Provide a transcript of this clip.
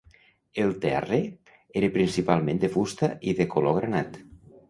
El terre era principalment de fusta i de color granat.